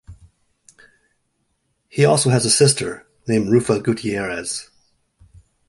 He also has a sister, named Ruffa Gutierrez.